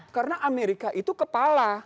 karena amerika itu kepala